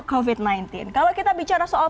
covid sembilan belas kalau kita bicara soal